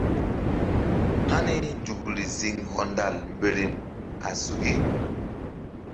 Hani nzukri ziŋ hɔndal mberem a suki.